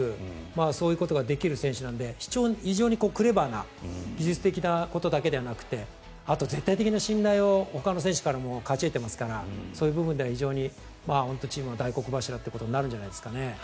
そういうことができる選手なので非常にクレバーな技術的なことだけではなくてあと、絶対的な信頼をほかの選手からも勝ち得てますからそういう部分ではチームの大黒柱になるんじゃないですかね。